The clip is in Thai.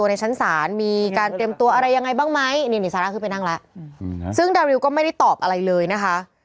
นี่นี่ซาร่าขึ้นไปนั่งแล้วซึ่งดาริลก็ไม่ได้ตอบอะไรเลยนะคะ